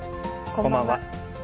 こんばんは。